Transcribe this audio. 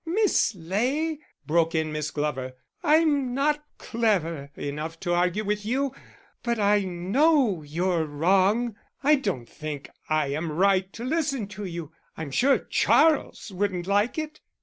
"Miss Ley," broke in Miss Glover, "I'm not clever enough to argue with you, but I know you're wrong. I don't think I am right to listen to you; I'm sure Charles wouldn't like it."